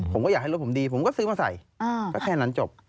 ผมก็อยากให้รถผมดีผมก็ซื้อมาใส่ก็แค่นั้นจบ